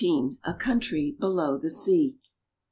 A COUNTRY BELOW THE SEA.